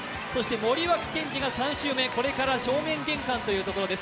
森脇健児が３周目、これから正面玄関というところです。